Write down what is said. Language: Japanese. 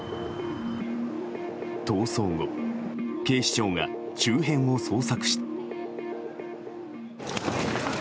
逃走後、警視庁が周辺を捜索し。